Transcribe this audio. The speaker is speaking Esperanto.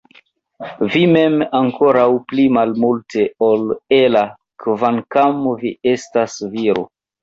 Vi mem ankoraŭ pli malmulte ol Ella kvankam vi estas viro!